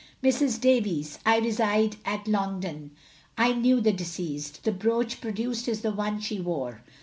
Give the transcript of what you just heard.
Mrs. Davies: I reside at Longden. I knew the deceased. The brooch produced is the one she wore.